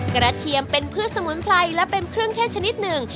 เทียมเป็นพืชสมุนไพรและเป็นเครื่องเทศชนิดหนึ่ง